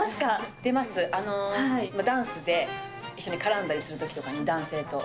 出ますよ、ダンスで一緒に絡んだりするときとかに、男性と。